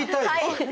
はい！